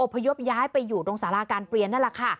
พยพย้ายไปอยู่ตรงสาราการเปลี่ยนนั่นแหละค่ะ